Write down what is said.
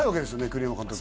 栗山監督